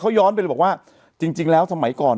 ย้อนไปเลยบอกว่าจริงแล้วสมัยก่อน